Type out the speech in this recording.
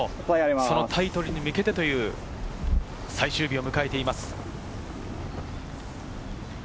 そのタイトルに向けて最終日を迎えています。